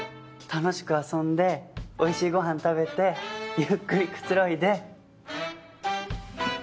楽しく遊んでおいしいご飯食べてゆっくりくつろいで。